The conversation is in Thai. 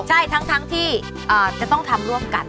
ใช่ทั้งที่จะต้องทำร่วมกัน